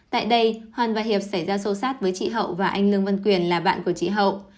tại đây hoàn và hiệp xảy ra sâu sát với chị hậu và anh lương văn quyền là bạn của chị hậu